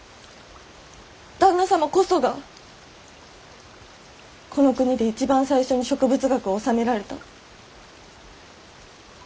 旦那様こそがこの国で一番最初に植物学を修められた。